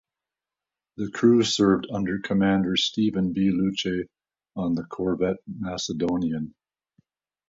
The crew served under Commander Steven B. Luce on the corvette Macedonian.